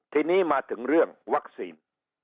ทีนี้มาถึงเรื่องวัคซีน